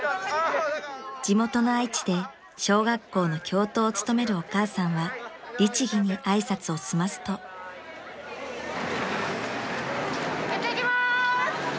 ［地元の愛知で小学校の教頭を務めるお母さんは律義に挨拶を済ますと］いってきます！